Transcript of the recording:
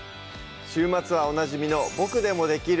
週末はおなじみの「ボクでもできる！